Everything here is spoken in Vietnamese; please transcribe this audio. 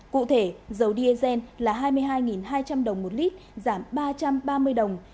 cụ thể dầu diesel là hai mươi hai hai trăm linh đồng một lít giảm ba trăm ba mươi đồng